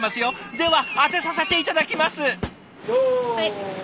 では当てさせて頂きます。